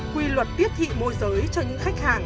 quy luật tiếp thị môi giới cho những khách hàng